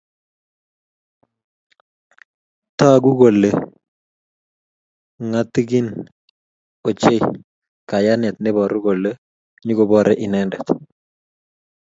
Taguu kole ngatigin ochei kayanet neiboru kole nyikoboore inendet